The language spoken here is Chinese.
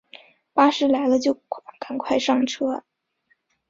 巴士来了就赶快上车